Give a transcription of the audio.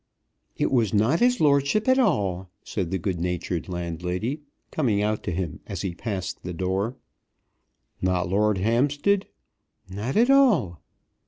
"It was not his lordship at all," said the good natured landlady, coming out to him as he passed the door. "Not Lord Hampstead?" "Not at all."